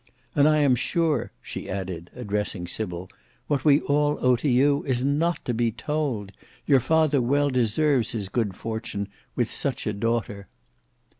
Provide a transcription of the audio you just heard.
And I am sure," she added, addressing Sybil, "what we all owe to you is not to be told. Your father well deserves his good fortune, with such a daughter."